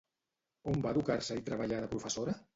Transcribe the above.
On va educar-se i treballar de professora?